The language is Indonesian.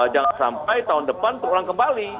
jangan sampai tahun depan terulang kembali